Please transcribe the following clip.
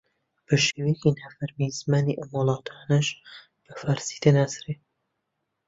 بە شێوەیەکی نافەرمی زمانی ئەم وڵاتانەش بە فارسی دەناسرێ